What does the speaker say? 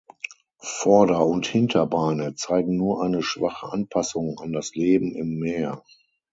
Vorder- und Hinterbeine zeigen nur eine schwache Anpassung an das Leben im Meer.